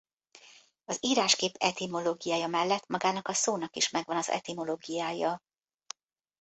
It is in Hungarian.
Az íráskép etimológiája mellett magának a szónak is megvan az etimológiája.